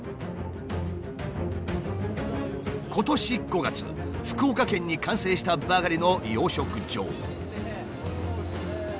今年５月福岡県に完成したばかりの養殖場。